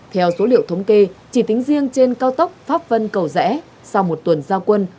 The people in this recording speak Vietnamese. theo số liệu thống kê chỉ tính riêng trên cao tốc pháp vân cầu rẽ sau một tuần giao quân